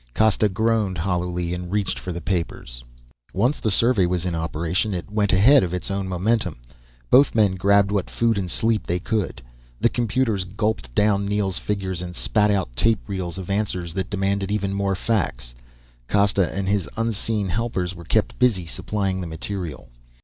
Costa groaned hollowly and reached for the papers. Once the survey was in operation it went ahead of its own momentum. Both men grabbed what food and sleep they could. The computers gulped down Neel's figures and spat out tape reels of answers that demanded even more facts. Costa and his unseen helpers were kept busy supplying the material.